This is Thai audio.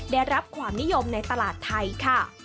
ได้รับความนิยมในตลาดไทยค่ะ